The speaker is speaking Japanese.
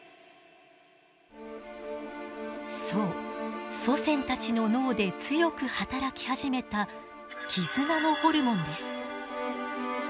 そう祖先たちの脳で強く働き始めた絆のホルモンです。